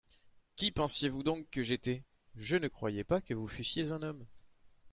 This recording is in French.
Qui pensiez-vous donc que j'étais ? Je ne croyais pas que vous fussiez un homme.